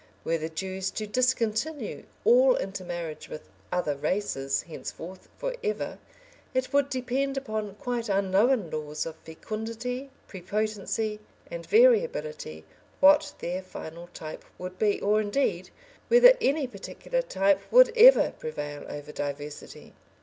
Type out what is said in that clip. Were the Jews to discontinue all intermarriage with "other races" henceforth for ever, it would depend upon quite unknown laws of fecundity, prepotency, and variability, what their final type would be, or, indeed, whether any particular type would ever prevail over diversity.